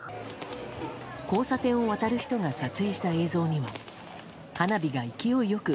交差点を渡る人が撮影した映像には花火が勢いよく